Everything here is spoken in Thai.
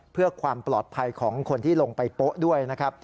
เพื่อความปลอดภัยของคนที่ลงไปโป๊ะด้วยนะครับ